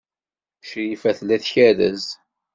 Crifa tella tkerrez.